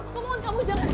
aku mohon kamu jangan